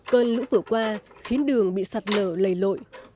cơn lũ vừa qua khiến đường bị sạt lở lầy lội